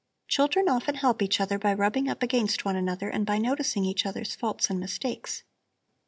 Children often help each other by rubbing up against one another and by noticing each other's faults and mistakes."